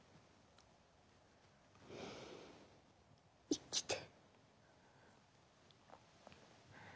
生きて。